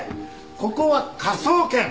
ここは科捜研！